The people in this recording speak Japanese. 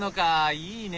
いいね。